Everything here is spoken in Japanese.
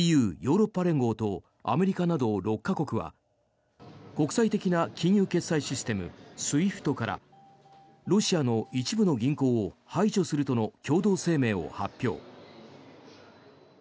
ＥＵ・ヨーロッパ連合とアメリカなど６か国は国際的な金融決済システムＳＷＩＦＴからロシアの一部の銀行を排除するとの共同声明を発表。